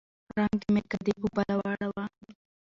رنګ د مېکدې په بله واړوه